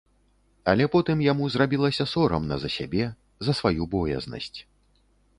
Але потым яму зрабілася сорамна за сябе, за сваю боязнасць.